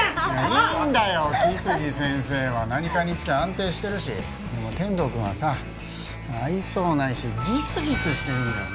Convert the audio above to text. いいんだよ来生先生は何かにつけ安定してるしでも天堂君はさ愛想はないしギスギスしてるんだよな